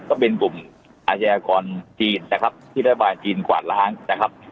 ก็เป็นกลุ่มอาชญากรจีนนะครับที่รัฐบาลจีนกวาดล้างนะครับ